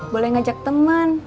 boleh ngajak temen